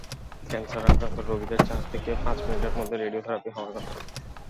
Cancer আক্রান্ত রোগীদের চার থেকে পাঁচ মিনিটের মধ্যে রেডিওথেরাপি হওয়ার কথা।